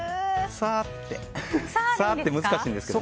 さーってって難しいんですよね。